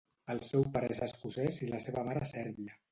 El seu pare és escocès i la seva mare sèrbia.